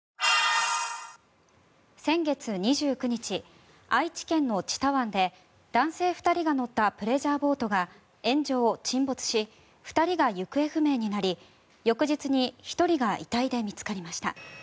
先月２９日愛知県の知多湾で男性２人が乗ったプレジャーボートが炎上・沈没し２人が行方不明になり翌日に１人が遺体で見つかりました。